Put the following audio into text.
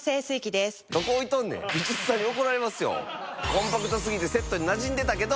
コンパクト過ぎてセットになじんでたけど！